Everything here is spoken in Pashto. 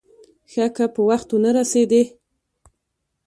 ښه که په وخت ونه رسېدې.